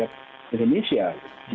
apakah itu terjadi